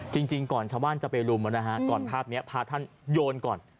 จริงก่อนชาวบ้านจะไปรุมก่อนภาพนี้พาท่านโยนก่อน